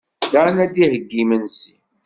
Dan ad d-iheyyi imensi.